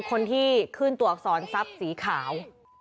คนที่ขึ้นตัวอักษรทรัพย์สีขาว